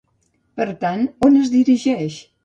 Per tant, on es dirigeix?